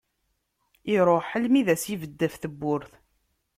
Iruḥ almi i d as-ibed ɣef tewwurt.